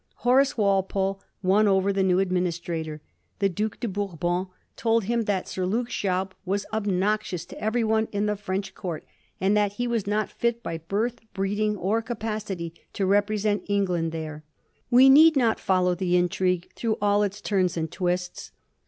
Horace Walpole won over the new administrator. The Duke de Bourbon told him that Sir Luke Schaub was ob noxious to everyone in the French Court, and that he was not fit, by birth, breeding, or capacity, to repre sent England there. We need not follow the intrigue through all its turns and twists.